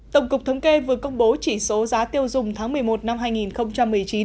tổng cục thống kê vừa công bố chỉ số giá tiêu dùng tháng một mươi một năm hai nghìn một mươi chín